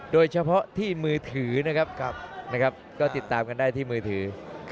โดยเฉพาะที่มือถือนะครับก็ติดตามกันได้ที่มือถือ